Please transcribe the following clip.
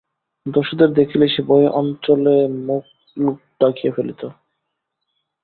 দস্যুদের দেখিলেই সে ভয়ে অঞ্চলে মুখ ঢাকিয়া ফেলিত।